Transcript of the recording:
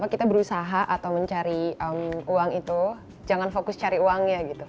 kita berusaha atau mencari uang itu jangan fokus cari uangnya gitu